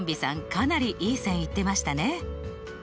かなりいい線いってましたね。